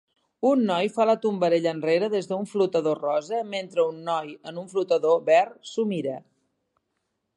Un noi fa la tombarella enrere des d'un flotador rosa mentre un noi en un flotador ver s'ho mira.